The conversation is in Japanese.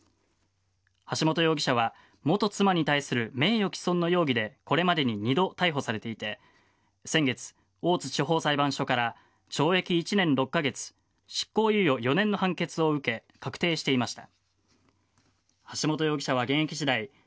橋本容疑者は元妻に対する名誉毀損の容疑でこれまでに、２度逮捕されていて先月、大津地方裁判所から懲役１年６カ月執行猶予４年の判決を受け確定していました。